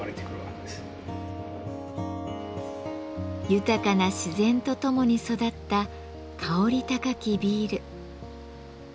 豊かな自然とともに育った香り高きビール。